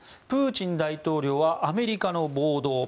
プーチン大統領はアメリカの暴動